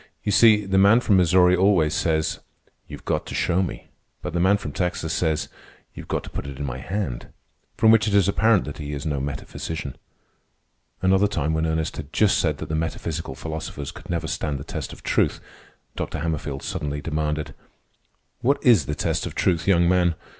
"You see, the man from Missouri always says, 'You've got to show me.' But the man from Texas says, 'You've got to put it in my hand.' From which it is apparent that he is no metaphysician." Another time, when Ernest had just said that the metaphysical philosophers could never stand the test of truth, Dr. Hammerfield suddenly demanded: "What is the test of truth, young man?